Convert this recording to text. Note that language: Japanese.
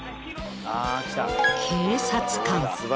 警察官。